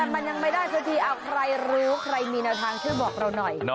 มันยังไม่ได้สักทีใครรู้ใครมีแนวทางช่วยบอกเราหน่อย